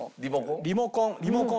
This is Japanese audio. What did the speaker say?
リモコン？